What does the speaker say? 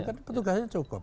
kan petugasnya cukup